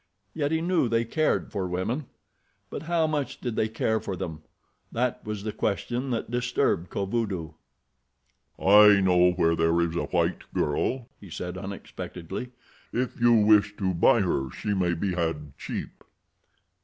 Yet he knew they cared for women. But how much did they care for them?—that was the question that disturbed Kovudoo. "I know where there is a white girl," he said, unexpectedly. "If you wish to buy her she may be had cheap."